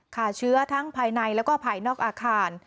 ขาเชื้อทั้งภายในแล้วก็ภายนอกอาคาร